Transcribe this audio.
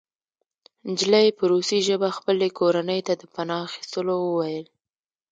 نجلۍ په روسي ژبه خپلې کورنۍ ته د پناه اخیستلو وویل